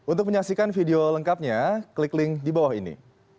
untuk menyaksikan video lengkapnya klik link di bawah ini